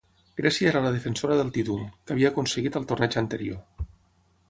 Grècia era la defensora del títol, que havia aconseguit al torneig anterior.